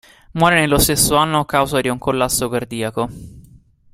Muore nello stesso anno a causa di un collasso cardiaco.